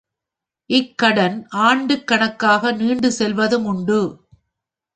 இக்கடன் ஆண்டுக் கணக்காக நீண்டு செல்வதுமுண்டு.